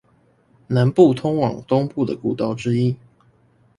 南部通往東部的古道之一